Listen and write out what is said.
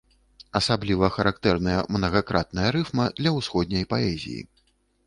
Асабліва характэрная мнагакратная рыфма для ўсходняй паэзіі.